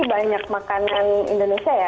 banyak makanan indonesia ya